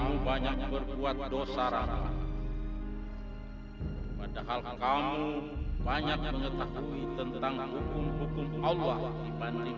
kamu banyak berbuat dosa ramai padahal kamu banyak mengetahui tentang hukum allah dibanding